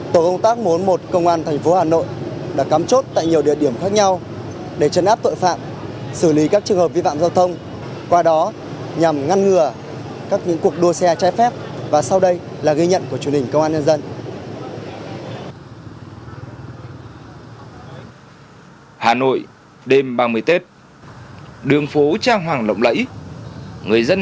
tổ công tác một trăm bốn mươi một công an thành phố hà nội đã cắm chốt tại nhiều địa điểm khác nhau để chấn áp tội phạm xử lý các trường hợp vi phạm giao thông qua đó nhằm ngăn ngừa các những cuộc đua xe trái phép và sau đây là gây nhận của truyền hình công an nhân dân